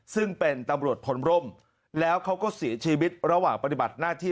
ซึ่งเป็นตำรวจพลร่มแล้วเขาก็เสียชีวิตระหว่างปฏิบัติหน้าที่